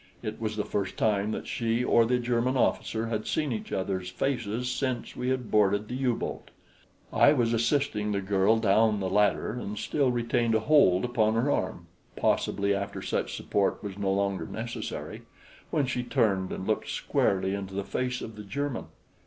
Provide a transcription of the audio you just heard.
It was the first time that she or the German officer had seen each other's faces since we had boarded the U boat. I was assisting the girl down the ladder and still retained a hold upon her arm possibly after such support was no longer necessary when she turned and looked squarely into the face of the German.